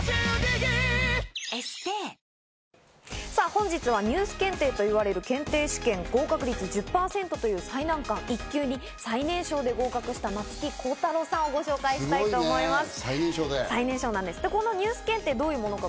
本日はニュース検定といわれる検定試験、合格率１０％という最難関１級に最年少で合格した松木孝太朗さんをご紹介したいと思います。